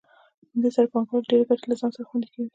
په همدې سره پانګوال ډېرې ګټې له ځان سره خوندي کوي